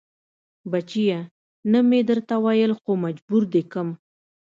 بچيه نه مې درته ويل خو مجبور دې کم.